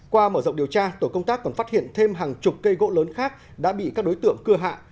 qua mở rộng điều tra tổ công tác còn phát hiện thêm hàng chục cây gỗ lớn khác đã bị các đối tượng cưa hạ